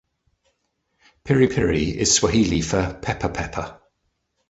Piri piri is Swahili for "pepper pepper".